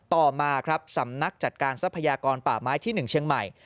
ต่อมาครับสำนักจัดการทรัพยากรป่าไม้ที่๑เชียงใหม่